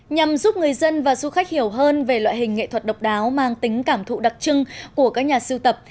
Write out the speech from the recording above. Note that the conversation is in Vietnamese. nhằm giúp người dân và du khách hiểu hơn về loại hình nghệ thuật độc đáo mang tính cảm thụ đặc trưng của các nhà siêu tập